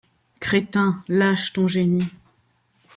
Crétin, lâche ton génie.